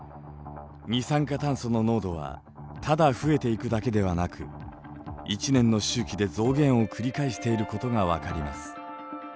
二酸化炭素の濃度はただ増えていくだけではなく１年の周期で増減を繰り返していることが分かります。